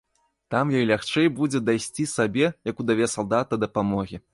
Там ёй лягчэй будзе дайсці сабе, як удаве салдата, дапамогі.